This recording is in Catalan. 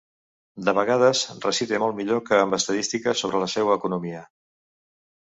De vegades, recite molt millor que amb estadístiques sobre la seua economia.